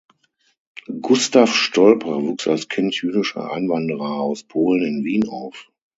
Gustav Stolper wuchs als Kind jüdischer Einwanderer aus Polen in Wien auf.